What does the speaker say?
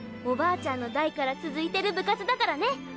おばあちゃんの代から続いてる部活だからね！